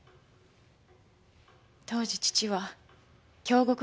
当時父は京極硝子